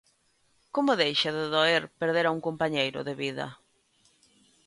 Como deixa de doer perder a un compañeiro de vida?